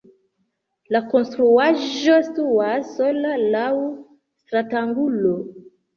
La konstruaĵo situas sola laŭ stratangulo.